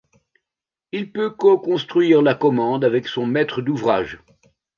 Il peut co-construire la commande avec son maître d'ouvrage.